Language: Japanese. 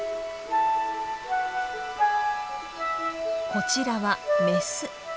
こちらはメス。